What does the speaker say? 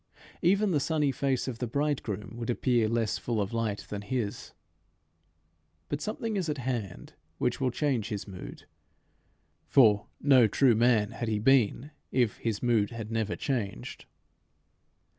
Even the sunny face of the bridegroom would appear less full of light than his. But something is at hand which will change his mood. For no true man had he been if his mood had never changed.